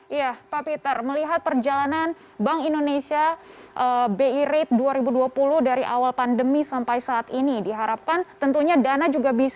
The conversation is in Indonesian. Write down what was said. iya pak peter melihat perjalanan bank indonesia bi rate dua ribu dua puluh dari awal pandemi sampai saat ini diharapkan tentunya dana juga bisa